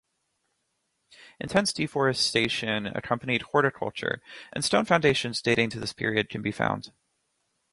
Intense deforestation accompanied horticulture, and stone foundations dating to this period can be found.